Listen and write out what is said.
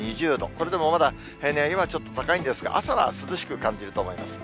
これでもまだ平年よりはちょっと高いんですが、朝は涼しく感じると思います。